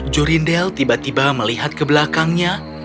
jorindel tiba tiba melihat ke belakangnya